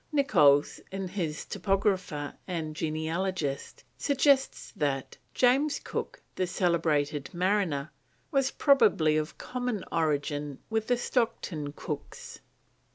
Nichols, in his Topographer and Genealogist, suggests that "James Cooke, the celebrated mariner, was probably of common origin with the Stockton Cookes."